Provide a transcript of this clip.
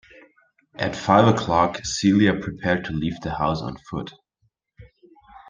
At five o'clock, Celia prepared to leave the house on foot.